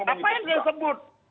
apa yang saya sebut